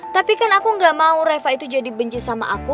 tapi kan aku gak mau reva itu jadi benci sama aku